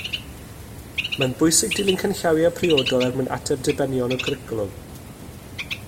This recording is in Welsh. Mae'n bwysig dilyn canllawiau priodol er mwyn ateb dibenion y cwricwlwm